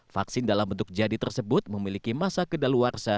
vaksin dalam bentuk jadi tersebut memiliki masa kedaluarsa